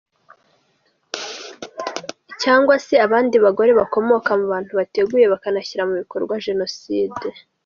Cyangwa se abandi bagore bakomoka ku bantu bateguye bakanashyira mu bikorwa Jenoside.